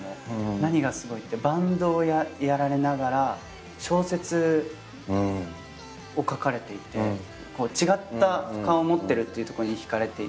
何がすごいってバンドをやられながら小説を書かれていて違った顔を持ってるっていうとこに引かれていて。